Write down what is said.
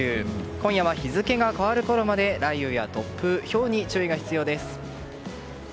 今夜は日付が変わるころまで雷雨や突風ひょうに注意が必要です。